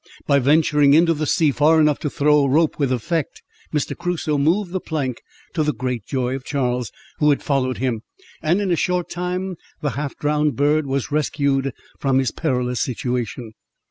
By venturing into the sea far enough to throw a rope with effect, Mr. Crusoe moved the plank, to the great joy of Charles, who had followed him; and in a short time, the half drowned bird was rescued from his perilous situation.